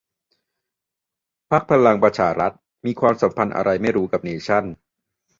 พรรคพลังประชารัฐ มีความสัมพันธ์อะไรก็ไม่รู้กับเนชั่น